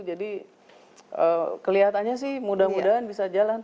jadi kelihatannya sih mudah mudahan bisa jalan